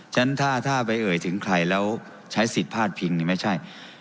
ฉะนั้นถ้าไปเอ่ยถึงใครแล้วใช้สิทธิ์พาดพิงนี่ไม่ใช่